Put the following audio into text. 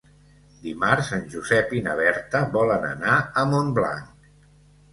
Dimarts en Josep i na Berta volen anar a Montblanc.